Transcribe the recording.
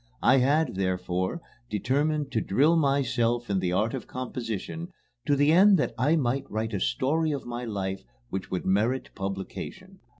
I had, therefore, determined to drill myself in the art of composition to the end that I might write a story of my life which would merit publication.